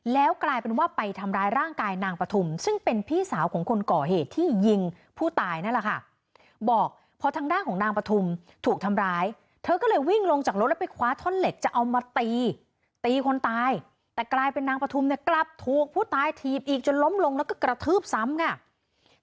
แล้วกลายเป็นว่าไปทำร้ายร่างกายนางปฐุมซึ่งเป็นพี่สาวของคนก่อเหตุที่ยิงผู้ตายนั่นแหละค่ะบอกพอทางด้านของนางปฐุมถูกทำร้ายเธอก็เลยวิ่งลงจากรถแล้วไปคว้าท่อนเหล็กจะเอามาตีตีคนตายแต่กลายเป็นนางปฐุมเนี่ยกลับถูกผู้ตายถีบอีกจนล้มลงแล้วก็กระทืบซ้ำค่ะ